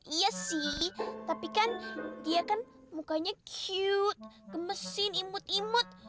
iya sih tapi kan dia kan mukanya cute ke mesin imut imut